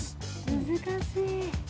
難しい。